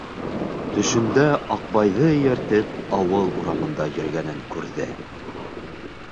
Төшөндә Аҡбайҙы эйәртеп ауыл урамында йөрөгәнен күрҙе.